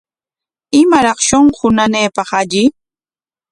¿Imaraq shunqu nanaypaq alli?